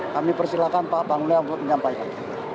kami persilahkan pak panglia untuk menyampaikan